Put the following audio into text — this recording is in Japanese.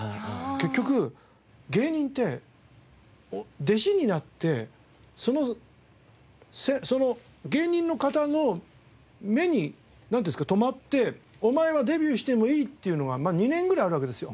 結局芸人って弟子になってその芸人の方の目に留まってお前はデビューしてもいいっていうのが２年ぐらいあるわけですよ。